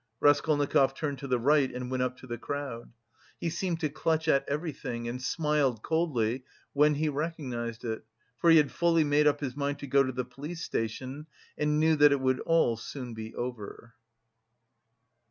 Raskolnikov turned to the right and went up to the crowd. He seemed to clutch at everything and smiled coldly when he recognised it, for he had fully made up his mind to go to the police station and knew that it would all soon be over.